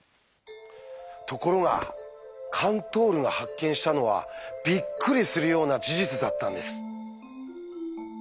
ところがカントールが発見したのはびっくりするような事実だったんです。